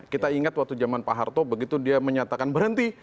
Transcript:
kita ingat waktu zaman pak harto begitu dia menyatakan berhenti